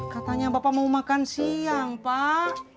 katanya bapak mau makan siang pak